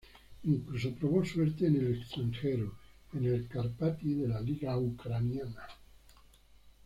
Incluso probó suerte en el extranjero, en el Karpaty de la liga ucraniana.